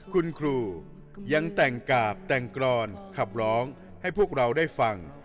คุณครูยังแต่งกาบแต่งกรอนขับร้องให้พวกเราได้ฟัง